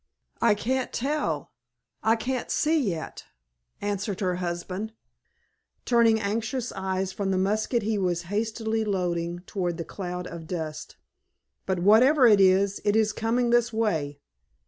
"I can't tell— I can't see yet," answered her husband, turning anxious eyes from the musket he was hastily loading toward the cloud of dust. "But whatever it is, it is coming this way.